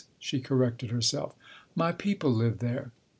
She corrected herself. " My people live there."